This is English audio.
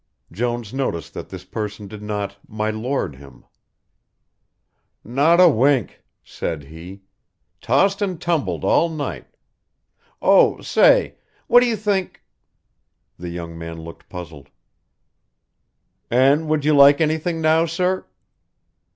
Jones noticed that this person did not "my Lord" him. "Not a wink," said he, "tossed and tumbled all night oh, say what do you think " The young man looked puzzled. "And would you like anything now, sir?"